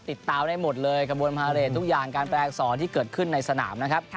ติดตามได้หมดเลยกระบวนพาเรททุกอย่างการแปลอักษรที่เกิดขึ้นในสนามนะครับ